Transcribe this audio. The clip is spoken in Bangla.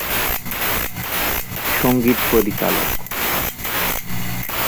সঙ্গীত পরিচালক